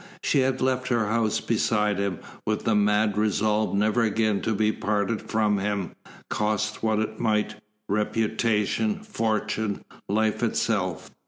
She had left her house beside him with the mad resolve never again to be parted from him, cost what it might, reputation, fortune, life itself.